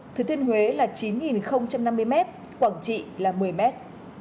thừa thiên huế là chín năm mươi mét quảng trị là một mươi mét